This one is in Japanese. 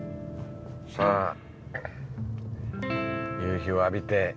さあ夕日を浴びて。